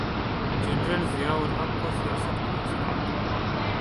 General Zia ul-Haq کو سیاست کون سکھاتا۔